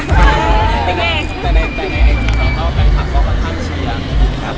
พยายามเรื่อยครับ